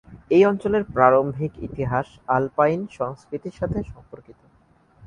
এই অঞ্চলের প্রারম্ভিক ইতিহাস আলপাইন সংস্কৃতির সাথে সম্পর্কিত।